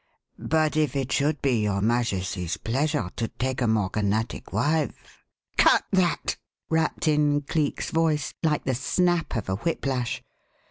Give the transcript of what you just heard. But if it should be your Majesty's pleasure to take a morganatic wife " "Cut that!" rapped in Cleek's voice like the snap of a whiplash.